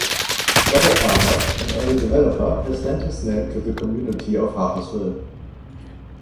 Robert Harpur, an early developer, has lent his name to the community of Harpursville.